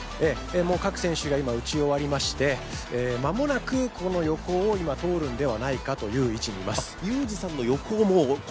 各選手が今打ち終わりまして、間もなくこの横を通るんではないかという位置にいます。